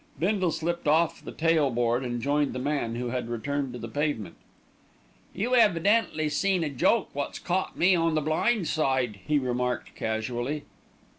Bindle slipped off the tail board and joined the man, who had returned to the pavement. "You evidently seen a joke wot's caught me on the blind side," he remarked casually.